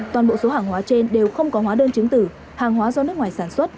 toàn bộ số hàng hóa trên đều không có hóa đơn chứng tử hàng hóa do nước ngoài sản xuất